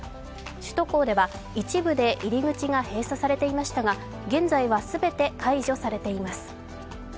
首都高速では一部で入り口が閉鎖されていましたが現在は全て解除されています。